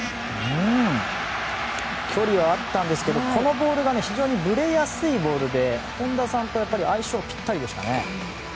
距離はあったんですがこのボールが非常にぶれやすいボールで本田さんと相性ピッタリでしたね。